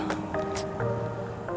bunga dari siapa juga